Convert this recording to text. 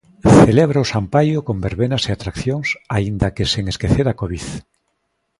Celebra o San Paio con verbenas e atraccións aínda que sen esquecer a covid.